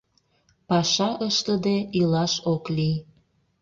Паша ыштыде илаш ок лий.